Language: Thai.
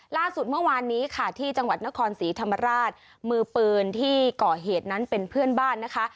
ล่าสุดเมื่อวานนี้ค่ะที่จังหวัดนครศรีธรรมราชมือปืนที่ก่อเหตุนั้นเป็นเพื่อนบ้านนะคะ